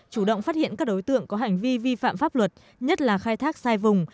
chủ động phát hiện các đối tượng có hành vi vi phạm pháp luật nhất là khai thác sai vùng